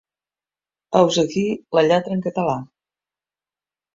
Heus ací la lletra en català.